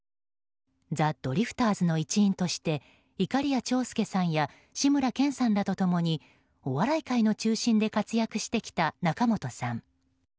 ザ・ドリフターズの一員としていかりや長介さんや志村けんさんらと共にお笑い界の中心で活躍してきた仲本さん。